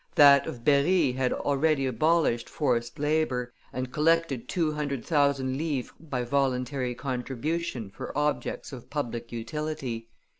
That of Berry had already abolished forced labor, and collected two hundred thousand livres by voluntary contribution for objects of public utility.